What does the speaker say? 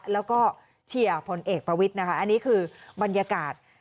แล้วก็เชียร์ผลเอกประวิทย์นะคะอันนี้คือบรรยากาศ